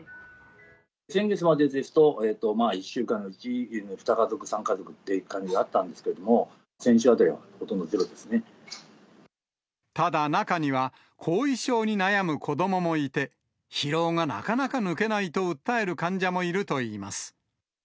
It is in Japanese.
先月までですと、１週間のうち、２家族、３家族という感じであったんですけれども、先週あたりはほとんどただ、中には後遺症に悩む子どももいて、疲労がなかなか抜けないと訴える患者もいるといいます。